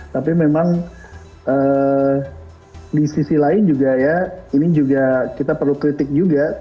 tapi memang di sisi lain juga ya ini juga kita perlu kritik juga